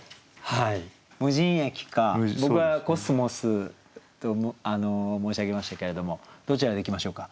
「無人駅」か僕は「コスモス」と申し上げましたけれどもどちらでいきましょうか？